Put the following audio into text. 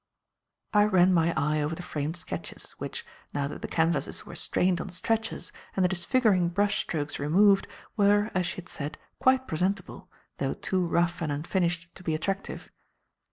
I ran my eye over the framed sketches, which, now that the canvases were strained on stretchers and the disfiguring brush strokes removed, were, as she had said, quite presentable, though too rough and unfinished to be attractive.